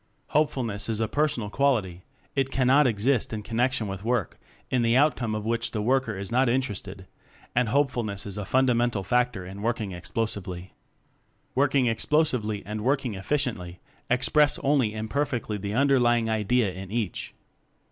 Hopefulness is a personal quality, it cannot exist in connection with work in the outcome of which the worker is not interested, and Hope fulness is a fundamental factor in working explosively. "Working Explosively" and "Work ing Efficiently" express only imper fectly the underlying idea in each.